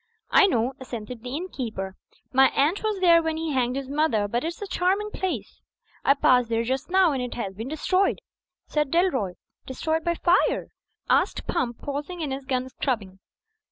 "I know," assented the innkeeper. "My aunt was there when he hanged his mother; but it's a charming place." "I passed there just now ; and it has been destroyed," said Dalroy. "Destroyed by fire?" asked Pump, pausing in his gun scrubbing.